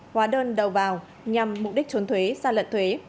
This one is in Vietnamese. hóa đơn đầu vào nhằm mục đích trốn thuế ra lận thuế